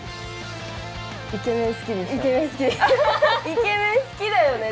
イケメン好きだよね